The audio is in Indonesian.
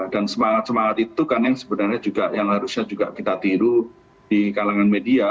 dan semangat semangat itu kan yang sebenarnya juga yang harusnya kita tiru di kalangan media